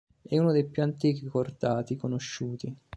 È uno dei più antichi cordati conosciuti.